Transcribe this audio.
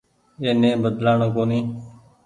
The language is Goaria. اي ني بدلآڻو ڪونيٚ ۔